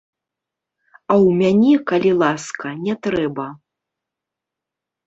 А ў мяне, калі ласка, не трэба.